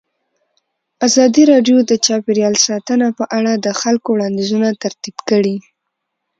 ازادي راډیو د چاپیریال ساتنه په اړه د خلکو وړاندیزونه ترتیب کړي.